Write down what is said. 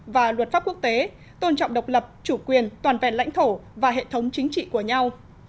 và luật pháp quốc tế tôn trọng độc lập chủ quyền toàn vẹn lãnh thổ và hệ thống chính trị của nhau